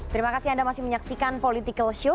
terima kasih anda masih menyaksikan political show